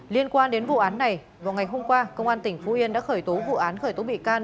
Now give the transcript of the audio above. liên quan đến vụ án này vào ngày hôm qua công an tỉnh phú yên đã khởi tố vụ án khởi tố bị can